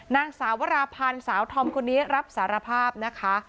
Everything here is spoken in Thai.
นางสาววราพันธ์สาวธอมคนนี้รับสารภาพนะคะ